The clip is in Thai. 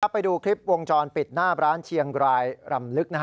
ไปดูคลิปวงจรปิดหน้าร้านเชียงรายรำลึก